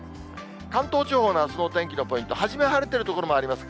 関東地方のあすのお天気のポイント、はじめ晴れてる所あります。